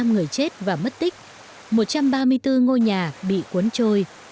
một mươi năm người chết và mất tích một trăm ba mươi bốn ngôi nhà bị cuốn trôi